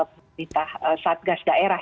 pemerintah satgas daerah